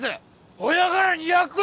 ほやから２００円